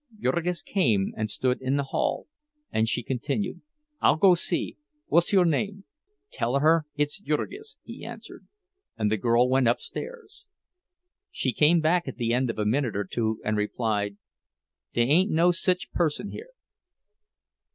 Jurgis came and stood in the hall, and she continued: "I'll go see. What's yo' name?" "Tell her it's Jurgis," he answered, and the girl went upstairs. She came back at the end of a minute or two, and replied, "Dey ain't no sich person here."